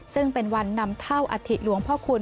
ซึ่งเป็นวันนำเท่าอัฐิหลวงพ่อคุณ